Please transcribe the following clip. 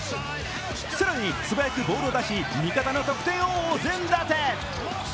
更に素早くボールを出し味方の得点をお膳立て。